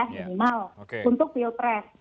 minimal untuk filtres